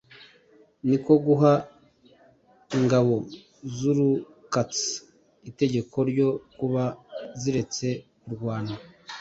Ni ko guha ingobo z’ Urukatsa itegeko ryo kuba ziretse kurwana